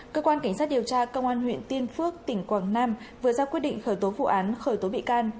cơ quan cảnh sát điều tra công an huyện tiên phước tỉnh quảng nam vừa ra quyết định khởi tố vụ án khởi tố bị can